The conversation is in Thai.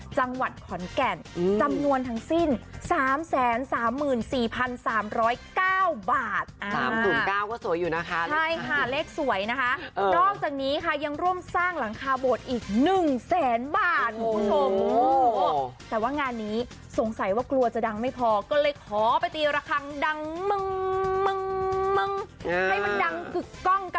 จังหวัดขอร์นแก่นอืมจำนวนทางสิ้นสามแสนสามหมื่นสี่พันสอง